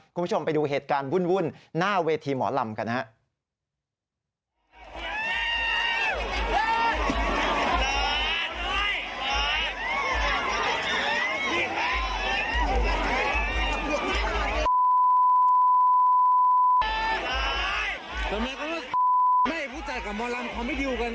คุณผู้ชมไปดูเหตุการณ์วุ่นหน้าเวทีหมอลำกันนะครับ